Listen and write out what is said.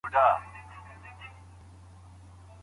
ولي افغان سوداګر طبي درمل له ازبکستان څخه واردوي؟